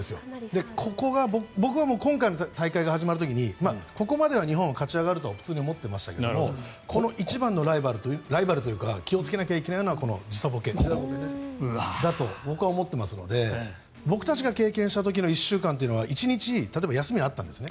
ここが僕は今回の大会が始まる時にここまでは日本は勝ち上がると普通に思ってましたがこの一番のライバルというか気をつけなきゃいけないのがこの時差ぼけだと僕は思っていますので僕たちが経験した時の１週間っていうのは１日例えば、休みがあったんです